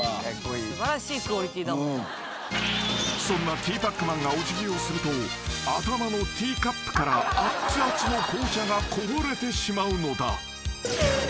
［そんなティーパックマンがお辞儀をすると頭のティーカップからあっつあつの紅茶がこぼれてしまうのだ］